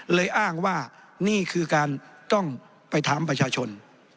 อ้างว่านี่คือการต้องไปถามประชาชน